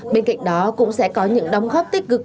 bên cạnh đó cũng sẽ có những đóng góp tích cực